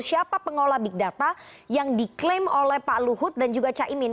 siapa pengolah big data yang diklaim oleh pak luhut dan juga caimin